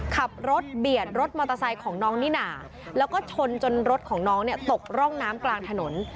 ขับรถเบียดรถมอเตอร์ไซค์ของน้องนิน่าแล้วก็ชนจนรถของน้องเนี่ยตกร่องน้ำกลางถนน